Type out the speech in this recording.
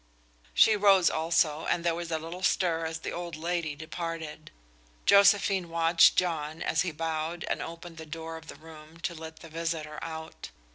She rose also, and there was a little stir as the old lady departed. Josephine watched John as he bowed and opened the door of the room to let the visitor out.